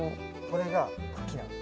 これが茎なの。